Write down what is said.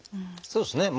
そうですね。